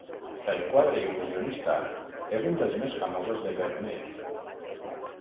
El quadre il·lusionista és un dels més famosos de Vermeer.